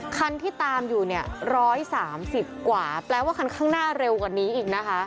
คันที่ตามอยู่เนี่ย๑๓๐กว่าแปลว่าคันข้างหน้าเร็วกว่านี้อีกนะคะ